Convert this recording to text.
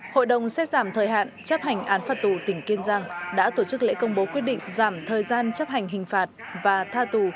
hội đồng xét giảm thời hạn chấp hành án phạt tù tỉnh kiên giang đã tổ chức lễ công bố quyết định giảm thời gian chấp hành hình phạt và tha tù